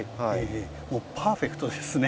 もうパーフェクトですね。